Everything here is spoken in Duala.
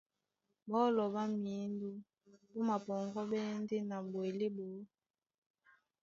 Ɓɔ́lɔ ɓá mǐndó ɓó mapɔŋgɔ́ɓɛ́ ndé na ɓwelé ɓɔɔ́.